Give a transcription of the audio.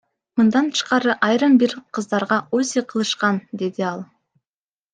Мындан тышкары айрым бир кыздарга УЗИ кылышкан, — деди ал.